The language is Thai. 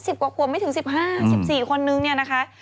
๑๐กว่าคนไม่ถึง๑๕๑๔คนนึงนะคะ